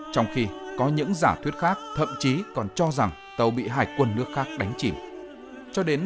trong khi có những giả thuyết khác thậm chí còn cho rằng tàu bị hải quân nước khác đánh chìm